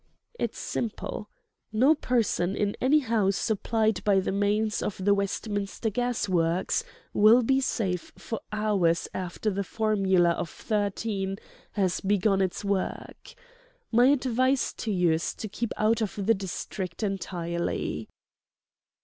"It is simple: no person in any house supplied by the mains of the Westminster gas works will be safe for hours after the formula of Thirteen has begun its work. My advice to you is to keep out of the district entirely."